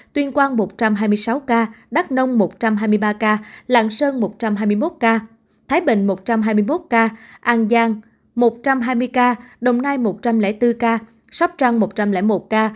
tuyên quang một trăm hai mươi sáu ca đắk nông một trăm hai mươi ba ca lạng sơn một trăm hai mươi một ca thái bình một trăm hai mươi một ca an giang một trăm hai mươi ca đồng nai một trăm linh bốn ca sóc trăng một trăm linh một ca